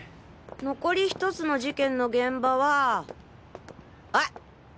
残り１つの事件の現場はあっ！